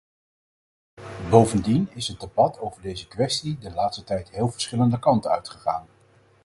Bovendien is het debat over deze kwesties de laatste tijd heel verschillende kanten uitgegaan.